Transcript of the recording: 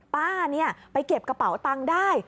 ป้าไปเก็บกระเป๋าตังค์ได้